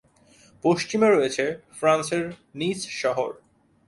পশ্চিমে রয়েছে ফ্রান্সের নিস শহর।